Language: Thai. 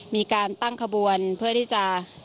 มีการตั้งขบวนเพื่อที่จะ